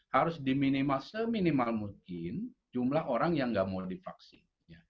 harus diminimal seminimal mungkin jumlah orang yang nggak mau divaksin